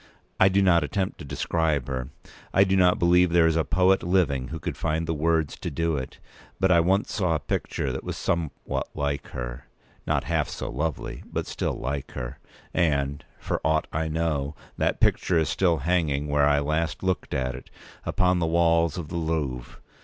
I do not attempt to describe her. I do not believe there is a poet living who could find the words to do it; but I once saw a picture that was somewhat like her (not half so lovely, but still like her), and, for aught I know, that picture is still hanging where I last looked at it—upon the walls of the Louvre.